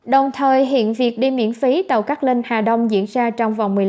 đồng thời hiện việc đi miễn phí tàu các lên hà đông diễn ra trong vòng